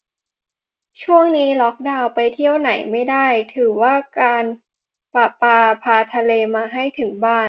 ช่วงนี้ล็อกดาวน์ ไปเที่ยวไหนไม่ได้ ถือว่าการประปาพาทะเลมาให้ถึงบ้าน